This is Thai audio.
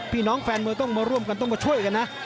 พี่น้องแฟนมวยต้องมาร่วมกันต้องมาช่วยกันนะ